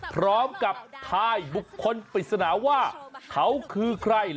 พร้อมกับทายบุคคลปริศนาว่าเขาคือใคร